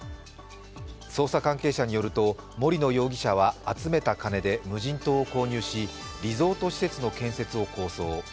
捜査関係者によると、森野容疑者は集めた金で無人島を購入しリゾート施設の建設を構想。